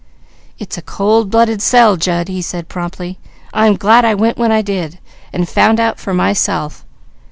"It's a cold blooded sell, Jud," he said promptly. "I'm glad I went when I did, and found out for myself.